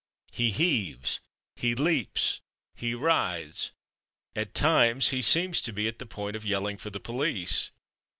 He heaves, he leaps, he writhes; at times he seems to be at the point of yelling for the police.